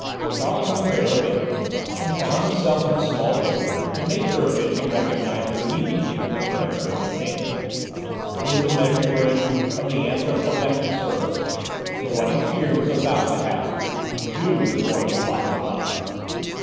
Charles Rambert obeyed, and found himself in a small room the nature of which he recognised immediately from the furniture it contained. It was the measuring room of the anthropometric service. So what he feared was about to happen: Juve was going to lock him up!